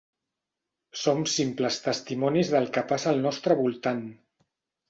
Som simples testimonis del que passa al nostre voltant.